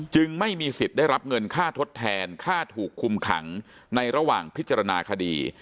ไม่มีสิทธิ์ได้รับเงินค่าทดแทนค่าถูกคุมขังในระหว่างพิจารณาคดี